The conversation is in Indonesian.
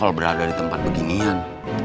kalau berada di tempat beginian